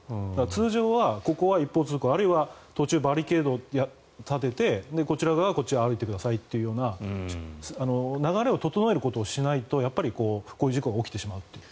通常は、ここは一方通行あるいは途中バリケードを立ててこちら側はこっちに歩いてくださいという流れを整えることをしないとこういう事故が起きてしまうと。